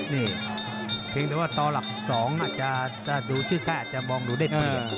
นี่เพียงแต่ว่าต่อหลักสองอ่ะจะดูชื่อแท้จะมองดูเด็ดเมีย